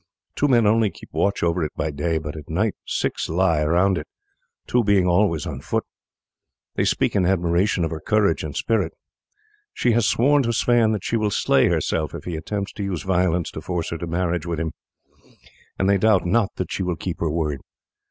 Two men only keep watch over it by day, but at night six lie around it, two being always on foot. They speak in admiration of her courage and spirit. She has sworn to Sweyn that she will slay herself if he attempts to use violence to force her to marriage with him, and they doubt not that she will keep her word.